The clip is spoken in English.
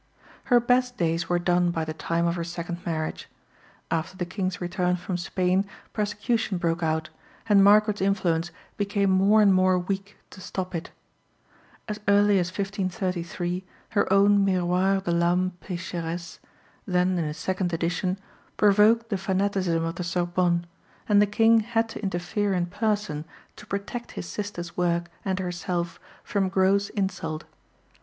Her best days were done by the time of her second marriage. After the King's return from Spain persecution broke out, and Margaret's influence became more and more weak to stop it. As early as 1533 her own Miroir de l'Ame Pécheresse, then in a second edition, provoked the fanaticism of the Sorbonne, and the King had to interfere in person to protect his sister's work and herself from gross insult.